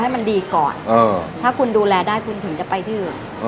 ให้มันก่อนอ๋อถ้าคุณดูแลได้คุณถึงจะไปที่อื่นอ๋ออ๋อ